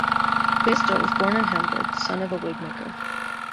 Basedow was born in Hamburg, the son of a wigmaker.